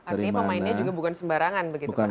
artinya pemainnya juga bukan sembarangan begitu kan